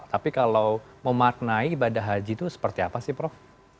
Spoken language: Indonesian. tapi kalau memaknai ibadah haji itu seperti apa sih prof